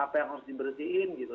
apa yang harus dibersihin gitu